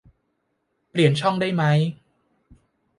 เปลี่ยนช่องได้ไหม